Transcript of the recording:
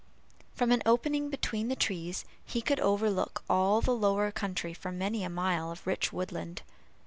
From an opening between the trees, he could overlook all the lower country for many a mile of rich woodland.